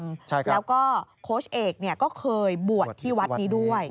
ใช่แล้วก็โค้ชเอกเนี่ยก็เคยบวชที่วัดนี้ด้วย